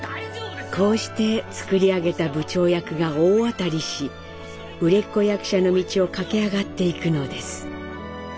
こうして作り上げた部長役が大当たりし売れっ子役者の道を駆け上がっていくのです。